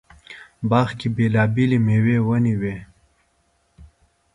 باغ کې بېلابېلې مېوې ونې وې.